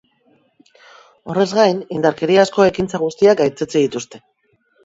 Horrez gain, indarkeriazko ekintza guztiak gaitzetsi dituzte.